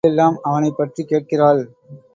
வழி எல்லாம் அவனைப்பற்றிக் கேட்கிறாள்.